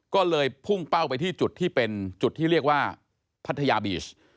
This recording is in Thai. ก็เลยพุ่งเป้าไปที่จุดที่เป็นจุดที่เรียกว่าพัทยาบีช